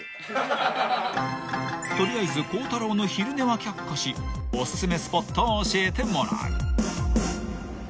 ［取りあえず孝太郎の昼寝は却下しお薦めスポットを教えてもらう］